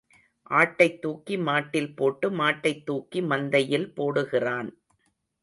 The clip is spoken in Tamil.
ஆட்டைத் தூக்கி மாட்டில் போட்டு மாட்டைத் தூக்கி மந்தையில் போடுகிறான்.